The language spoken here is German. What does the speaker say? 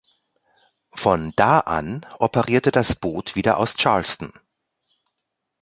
Von da an operierte das Boot wieder aus Charleston.